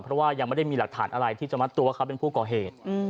เพราะว่ายังไม่ได้มีหลักฐานอะไรที่จะมัดตัวว่าเขาเป็นผู้ก่อเหตุ